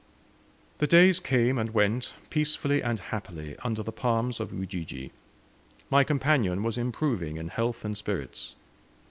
The days came and went peacefully and happily, under the palms of Ujiji. My companion was improving in health and spirits.